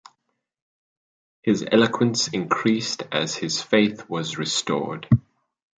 His eloquence increased as his faith was restored.